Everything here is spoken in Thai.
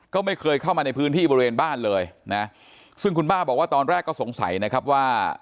ก็ไม่เคยเข้ามาในพื้นที่บริเวณบ้านเลยนะซึ่งคุณป้าบอกว่าตอนแรกก็สงสัยนะครับว่า